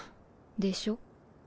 でしょ。